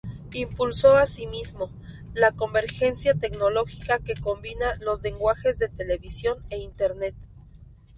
Impulsó asimismo, la convergencia tecnológica que combina los lenguajes de Televisión e Internet.